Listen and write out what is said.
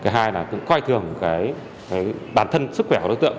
hai là coi thường bản thân sức khỏe của đối tượng